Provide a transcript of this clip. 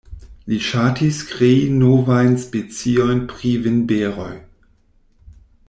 Li ŝatis krei novajn speciojn pri vinberoj.